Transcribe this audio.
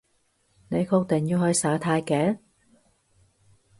你確定要去耍太極？